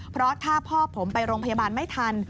เพราะถ้าพ่อผมไปโรงพยาบาลไม่ทัน